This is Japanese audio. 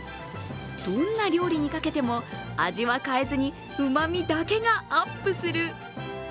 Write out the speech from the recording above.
どんな料理にかけても味は変えずにうまみだけがアップする。